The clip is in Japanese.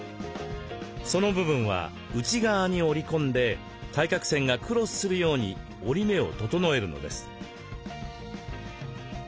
その部分は内側に折り込んで対角線がクロスするように折り目を整えるのです。